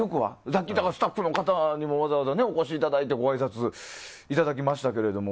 さっき、スタッフの方にもわざわざお越しいただいてごあいさついただきましたけども。